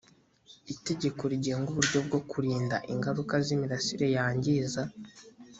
itegeko rigenga uburyo bwo kurinda ingaruka z imirasire yangiza